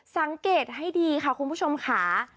สังเกตให้ดีค่ะคุณผู้ชมค่ะ